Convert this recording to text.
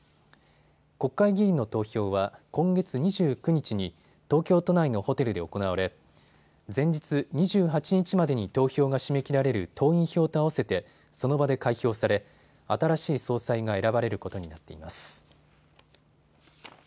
国会議員の投票は今月２９日に東京都内のホテルで行われ前日２８日までに投票が締め切られる党員票とあわせてその場で開票され新しい総裁が選ばれることになっています。